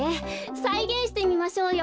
さいげんしてみましょうよ。